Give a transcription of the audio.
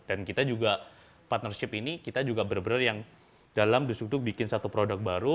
dan kita juga partnership ini kita juga benar benar yang dalam dus dugduk bikin satu produk baru